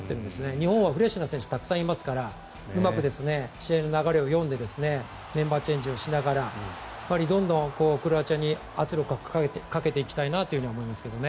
日本はフレッシュな選手がたくさんいますからうまく試合の流れを読んでメンバーチェンジをしながらどんどんクロアチアに圧力をかけていきたいなと思いますけどね。